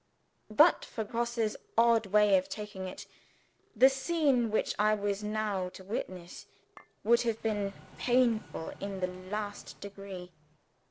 But for Grosse's odd way of taking it, the scene which I was now to witness would have been painful in the last degree.